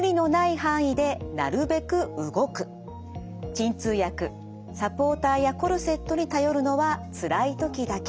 鎮痛薬サポーターやコルセットに頼るのはつらい時だけ。